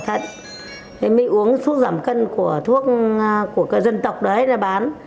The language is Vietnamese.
thì mới uống thuốc giảm cân của thuốc của dân tộc đấy là bán